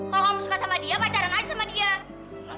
kalau kamu suka sama dia pacaran aja sama dia